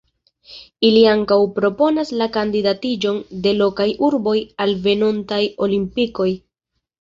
Ili ankaŭ proponas la kandidatiĝon de lokaj urboj al venontaj Olimpikoj.